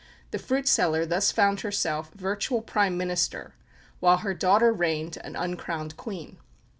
The fruit seller thus found herself virtual Prime Minister, while her daughter reigned, an uncrowned Queen.